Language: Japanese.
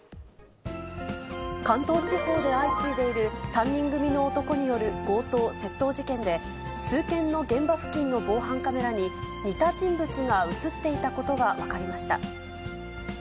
関東地方で相次いでいる３人組の男による強盗、窃盗事件で、数件の現場付近の防犯カメラに、似た人物が写っていたことが分かりました。